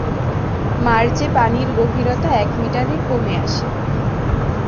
মার্চে পানির গভীরতা এক মিটারে কমে আসে।